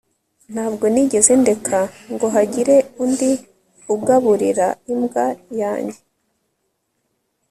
ntabwo nigeze ndeka ngo hagire undi ugaburira imbwa yanjye